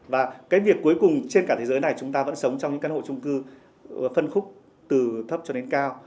và cái việc cuối cùng trên cả thế giới này chúng ta vẫn sống trong những căn hộ trung cư phân khúc từ thấp cho đến cao